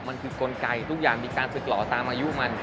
มันคือกลไกทุกอย่างมีการฝึกหล่อตามอายุมัน